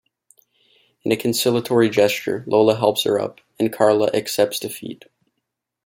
In a conciliatory gesture, Lola helps her up, and Carla accepts defeat.